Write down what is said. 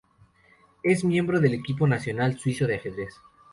Es miembro del equipo nacional suizo de ajedrez.